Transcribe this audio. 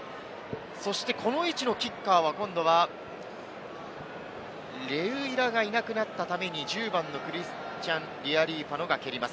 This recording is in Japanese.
この位置のキッカーは、今度はレウイラがいなくなったために、１０番のクリスチャン・リアリーファノが蹴ります。